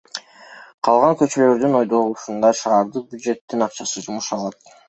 Калган көчөлөрдүн оңдолушуна шаардык бюджеттин акчасы жумшалат.